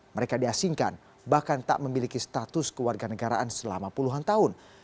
mereka diasingkan bahkan tak memiliki status kewarganegaraan selama puluhan tahun